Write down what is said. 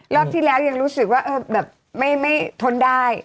รอบที่แล้วยังรู้สึกว่าแบบไม่ทนได้